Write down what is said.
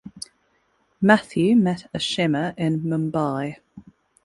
Matthew met Ashima in Mumbai.